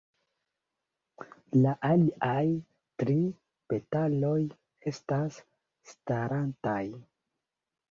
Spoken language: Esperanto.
La aliaj tri petaloj estas starantaj.